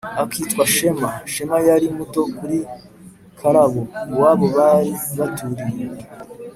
akitwa Shema. Shema yari muto kuri Karabo. Iwabo bari baturiye